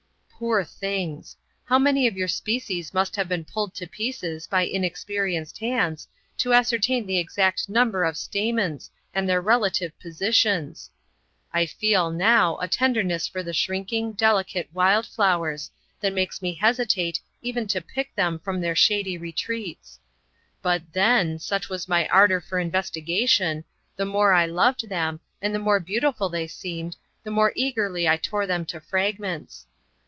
Poor things! How many of your species must have been pulled to pieces by inexperienced hands, to ascertain the exact number of stamens, and their relative positions! I feel, now, a tenderness for the shrinking, delicate wild flowers, that makes me hesitate even to pick them from their shady retreats; but then, such was my ardor for investigation, the more I loved them, and the more beautiful they seemed, the more eagerly I tore them to fragments.